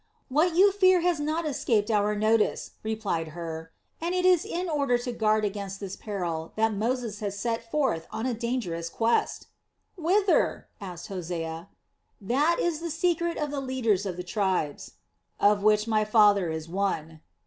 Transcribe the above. "What you fear has not escaped our notice," replied Hur, "and it is in order to guard against this peril that Moses has set forth on a dangerous quest." "Whither?" asked Hosea. "That is the secret of the leaders of the tribes." "Of which my father is one."